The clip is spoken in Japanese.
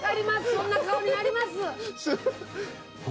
そんな顔になります。